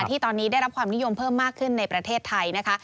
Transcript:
ที่ตอนนี้ได้รับความนิยมเพิ่มมากขึ้นในประเทศไทยนะคะ